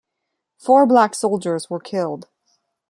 Four black soldiers were killed.